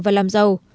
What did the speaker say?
và làm giàu